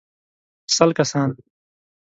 سل کسان.